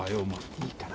いいから。